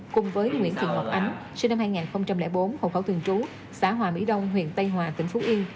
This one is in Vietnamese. cùng với nguyễn thị ngọc ánh sinh năm hai nghìn bốn hồ khẩu thường trú xã hòa mỹ đông huyện tây hòa tỉnh phú yên